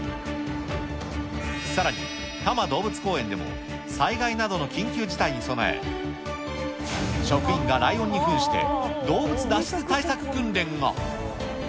さらに、多摩動物公園でも災害などの緊急事態に備え、職員がライオンにふんして動物脱出対策訓練が。